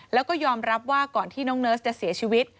แล้วก็ยอมรับว่าก่อนที่น้องเนิร์สจะเสียชีวิต